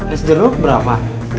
es jeruk berapa